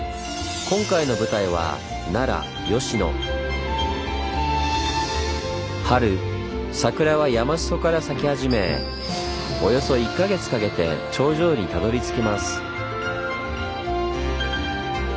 今回の舞台は春桜は山裾から咲き始めおよそ１か月かけて頂上にたどりつきます。